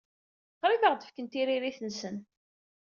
Qrib ad aɣ-d-fken tiririt-nsen.